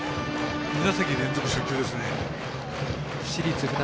２打席連続初球ですね。